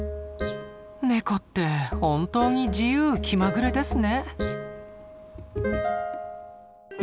ネコって本当に自由気まぐれですね。